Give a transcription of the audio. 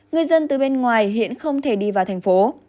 người dân từ bên ngoài hiện không thể đi vào thành phố